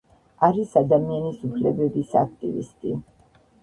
არის ადამიანის უფლებების აქტივისტი.